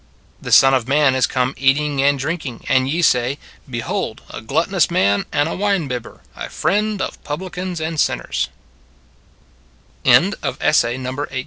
" The Son of Man is come eating and drinking; and ye say, Behold a gluttonous man, and a wine bibber, a friend of publi cans and sinners."